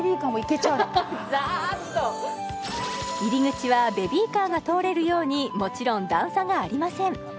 ザーッと入り口はベビーカーが通れるようにもちろん段差がありません